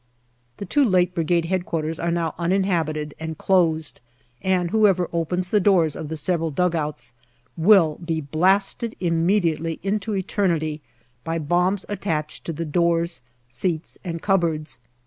The late two Brigade H.Q. are now uninhabited and closed, and whoever opens the doors of the several dugouts will be blasted immediately into eternity by bombs attached to the doors, seats, and cupboards.